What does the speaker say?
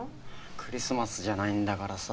クリスマスじゃないんだからさ。